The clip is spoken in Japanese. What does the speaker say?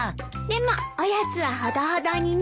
でもおやつはほどほどにね。